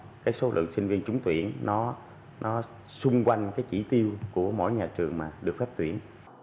cái số lượng sinh viên trúng tuyển nó xung quanh cái chỉ tiêu của mỗi nhà trường mà được phép tuyển